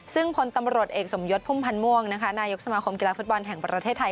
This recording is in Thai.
ซึ่งพลตำรวจเอกสมยศพุ่มพันธ์ม่วงนายกสมาคมกีฬาฟุตบอลแห่งประเทศไทย